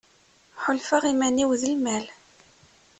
Ḥulfaɣ iman-iw d lmal.